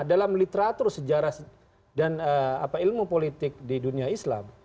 dalam literatur sejarah dan ilmu politik di dunia islam